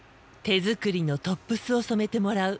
手作りのトップスを染めてもらう。